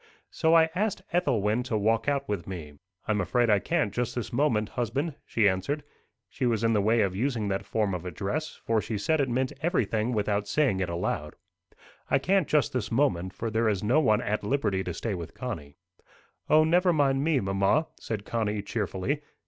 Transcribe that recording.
So I asked Ethelwyn to walk out with me. "I'm afraid I can't just this moment, husband," she answered. She was in the way of using that form of address, for she said it meant everything without saying it aloud. "I can't just this moment, for there is no one at liberty to stay with Connie." "O, never mind me, mamma," said Connie cheerfully.